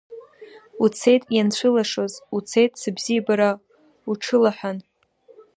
Уцеит ианцәылашоз, уцеит сыбзиабара уҽылаҳәан.